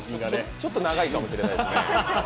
ちょっと長いかもしれないですね。